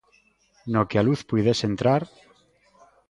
No que a luz puidese entrar.